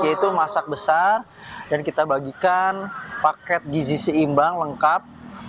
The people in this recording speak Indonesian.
yaitu masak besar dan kita bagikan paket gizi seimbang lengkap